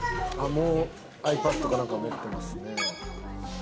もうｉＰａｄかなんか持ってますね。